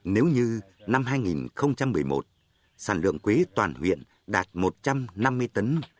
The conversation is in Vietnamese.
nếu như năm hai nghìn một mươi một sản lượng quế toàn huyện đạt một trăm năm mươi tấn